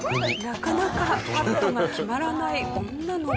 なかなかパットが決まらない女の子。